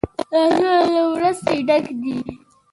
لاسونه له مرستې ډک دي